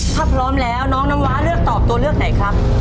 ถ้าพร้อมแล้วน้องน้ำว้าเลือกตอบตัวเลือกไหนครับ